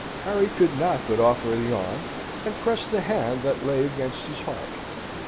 Harry could not but offer the arm, and press the hand that lay against his heart.